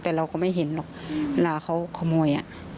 แต่เราก็ไม่เห็นหรอกเวลาเขาขโมย